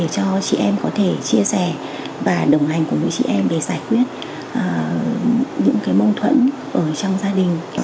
cho chị em có thể chia sẻ và đồng hành cùng với chị em để giải quyết những mâu thuẫn ở trong gia đình